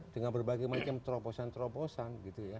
dengan berbagai macam terobosan terobosan